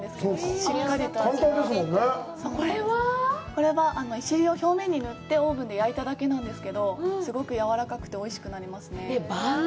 これは、いしりを表面に塗ってオーブンで焼いただけなんですけど、すごくやわらかくておいしくなりますね。